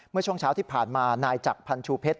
เมื่อช่วงเช้าที่ผ่านมานายจักรพันธ์ชูเพชร